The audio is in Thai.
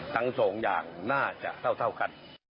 ทั้งสองอย่างน่าจะเท่ากัน